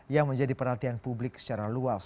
yang menjadi perhatian publik secara luas